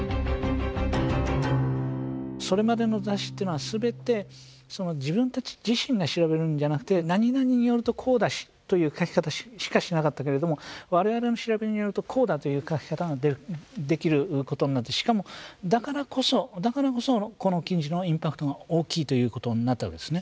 それまでの雑誌っていうのは全て自分たち自身が調べるんじゃなくて「何々によるとこうだし」という書き方しかしなかったけれども「我々の調べによるとこうだ」という書き方ができることになってしかもだからこそこの記事のインパクトが大きいということになったわけですね。